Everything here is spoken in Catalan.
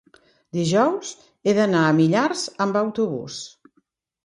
Dijous he d'anar a Millars amb autobús.